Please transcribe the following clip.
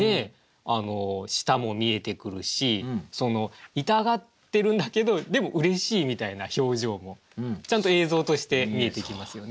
舌も見えてくるし痛がってるんだけどでもうれしいみたいな表情もちゃんと映像として見えてきますよね。